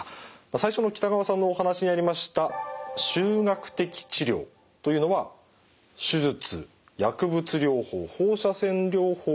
最初の北川さんのお話にありました集学的治療というのは手術薬物療法放射線療法を組み合わせたものなんですね。